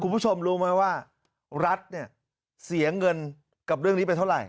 คุณผู้ชมรู้ไหมว่ารัฐเนี่ยเสียเงินกับเรื่องนี้ไปเท่าไหร